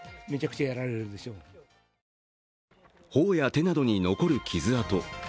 頬や手などに残る傷痕。